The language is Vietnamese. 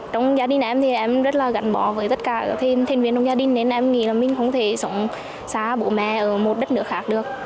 trong gia đình em thì em rất là gắn bó với tất cả các thành viên trong gia đình nên em nghĩ là mình không thể sống xa bố mẹ ở một đất nước khác được